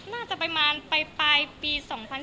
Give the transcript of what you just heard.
น่าจะไปปลายปี๒๐๑๑